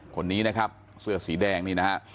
คนนี้นะครับเสื้อสีแดงนี่นะฮะ